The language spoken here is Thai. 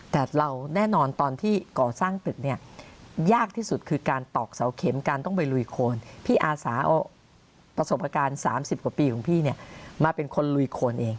แต่เราแน่นอนตอนที่ก่อสร้างตึกเนี่ยยากที่สุดคือการตอกเสาเข็มการต้องไปลุยโคนพี่อาสาเอาประสบการณ์๓๐กว่าปีของพี่เนี่ยมาเป็นคนลุยโคนเอง